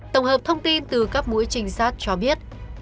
tổng hợp thông tin từ các mũi trinh sát cho biết